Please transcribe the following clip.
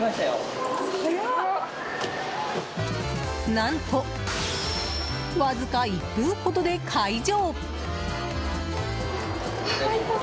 何と、わずか１分ほどで解錠。